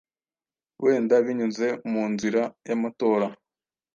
wenda binyuze mu nzira y'amatora.